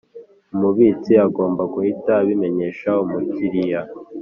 Umubitsi agomba guhita abimenyesha Umukiriya